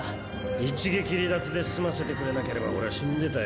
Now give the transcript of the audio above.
一撃離脱で済ませてくれなければ俺は死んでたよ。